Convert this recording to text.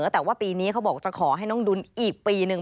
แต่ว่าปีนี้เขาบอกจะขอให้น้องดุลอีกปีหนึ่ง